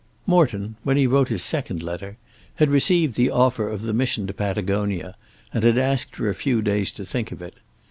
Morton, when he wrote his second letter, had received the offer of the mission to Patagonia and had asked for a few days to think of it.